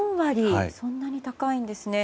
そんなに高いんですね。